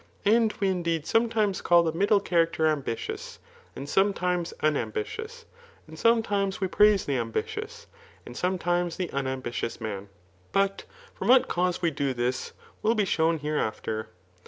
And we indeed sometimes call the middle character ambitious, and some times unambitious ; and sometimes we praise the ambi tious, and sometimes the unambitious man. But from what cause we do this, will be shovm hereafter.